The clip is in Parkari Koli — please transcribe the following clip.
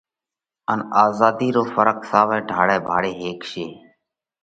ان آزاڌِي رو ڦرق ساوئہ ڍاۯئہ ڀاۯي هيڪشي.